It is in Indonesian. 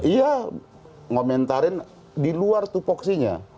iya ngomentarin di luar tupoksinya